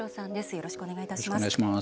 よろしくお願いします。